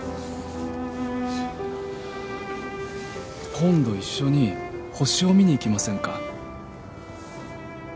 今度一緒に星を見に行きませんか？